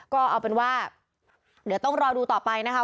ก็เอาเป็นว่าเดี๋ยวต้องรอดูต่อไปนะคะ